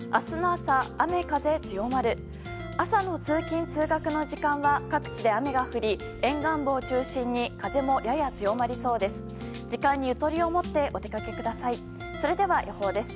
朝の通勤・通学の時間は各地で雨が降り沿岸部を中心に風もやや強まりそうです。